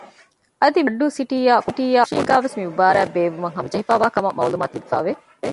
އަދި މިއަހަރު އައްޑޫ ސިޓީއާއި ކުޅުދުއްފުށީގައި ވެސް މި މުބާރާތް ބޭއްވުމަށް ހަމަޖެހިފައިވާކަމަށް މައުލޫމާތު ލިބިފައިވެ